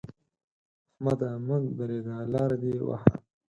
احمده! مه درېږه؛ لاره دې وهه.